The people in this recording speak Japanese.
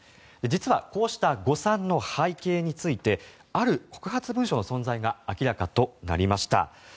実は、こうした誤算の背景についてある告発文書の存在が明らかになりました。